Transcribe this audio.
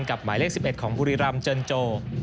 กับหมายเลข๑๑ของบุรีรัมพ์เจินโจ